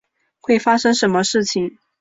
会发生什么事情？